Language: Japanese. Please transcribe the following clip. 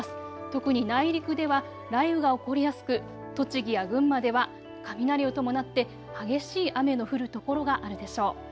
特に内陸では雷雨が起こりやすく栃木や群馬では雷を伴って激しい雨の降る所があるでしょう。